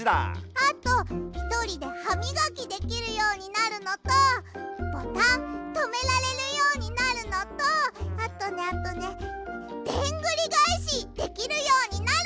あとひとりでハミガキできるようになるのとボタンとめられるようになるのとあとねあとねでんぐりがえしできるようになる！